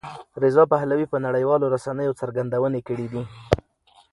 رضا پهلوي په نړیوالو رسنیو څرګندونې کړې دي.